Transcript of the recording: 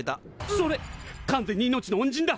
それ完全に命の恩人だ！